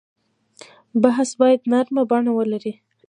بحث باید نرمه بڼه ولري.